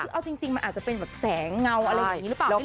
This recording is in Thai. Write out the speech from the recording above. เอาจริงมันอาจจะเป็นแสงเงาอะไรแบบนี้รึเปล่าไม่รู้นะ